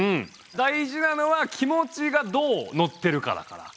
大事なのは気持ちがどうのってるかだから。